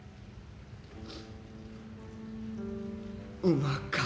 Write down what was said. うまか。